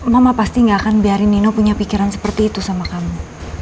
mama pasti gak akan biarin nino punya pikiran seperti itu sama kamu